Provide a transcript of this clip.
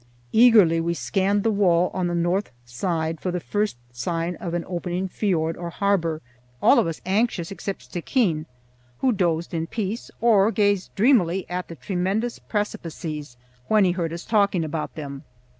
Eagerly we scanned the wall on the north side for the first sign of an opening fiord or harbor, all of us anxious except Stickeen, who dozed in peace or gazed dreamily at the tremendous precipices when he heard us talking about them.